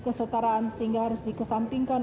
kesetaraan sehingga harus dikesampingkan